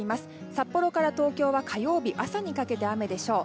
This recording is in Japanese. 札幌から東京は火曜日朝にかけて雨でしょう。